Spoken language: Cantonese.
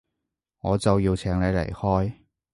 我就要請你離開